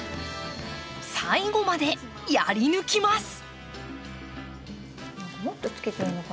最後までやり抜きます。